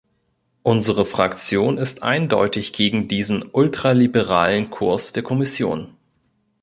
Unsere Fraktion ist eindeutig gegen diesen ultraliberalen Kurs der Kommission.